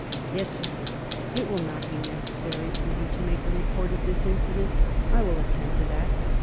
"Yes, sir?" "It will not be necessary for you to make a report of this incident. I will attend to that.